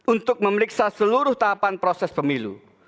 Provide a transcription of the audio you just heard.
untuk memeriksa seluruh tahapan proses pemilu